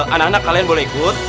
anak anak kalian boleh ikut